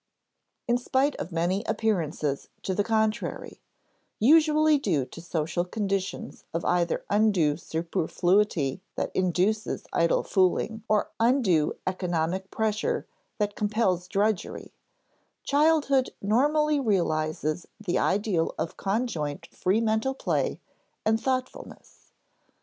In spite of many appearances to the contrary usually due to social conditions of either undue superfluity that induces idle fooling or undue economic pressure that compels drudgery childhood normally realizes the ideal of conjoint free mental play and thoughtfulness.